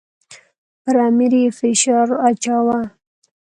پر امیر یې فشار اچاوه.